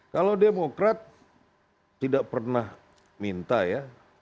kalau demokrat tidak pernah minta ya